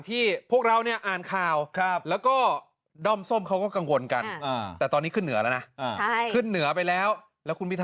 ที่ฉันมีในทุกความรู้สึก